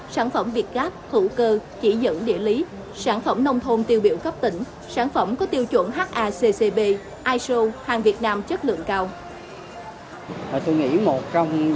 sản phẩm việt gap thủ cơ chỉ dựng địa lý sản phẩm nông thôn tiêu biểu cấp tỉnh sản phẩm có tiêu chuẩn haccp iso hàng việt nam chất lượng cao